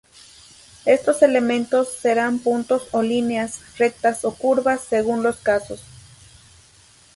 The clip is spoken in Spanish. Estos elementos serán puntos o líneas, rectas o curvas, según los casos.